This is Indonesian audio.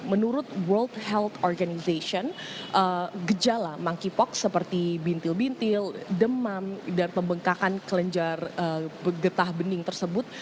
menurut world health organization gejala monkeypox seperti bintil bintil demam dan pembengkakan kelenjar getah bening tersebut